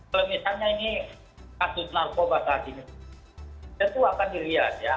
kalau misalnya ini kasus narkoba saat ini tentu akan dilihat ya